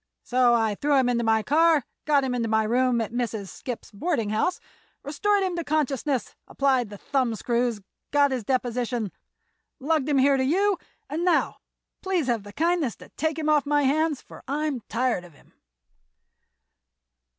So I threw him into my car, got him to my room at Mrs. Skipp's boarding house, restored him to consciousness, applied the thumbscrews, got his deposition, lugged him here to you, and now—please have the kindness to take him off my hands, for I'm tired of him."